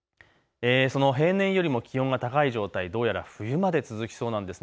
平年よりも気温が高い状態、どうやら冬まで続きそうなんです。